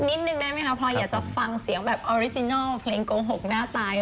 นิดนึงได้ไหมคะพลอยอยากจะฟังเสียงแบบออริจินัลเพลงโกหกหน้าตาย